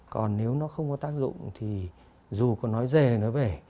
còn nếu nó không có tác dụng thì dù có nói về nói về